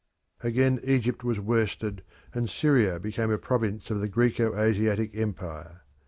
Again Egypt was worsted, and Syria became a province of the Graeco Asiatic empire.